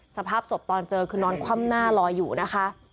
สภาพศพตอนเจอคือนอนคว่ำหน้าลอยอยู่นะคะ